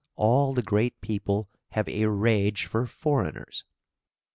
All the great people have a rage for foreigners!"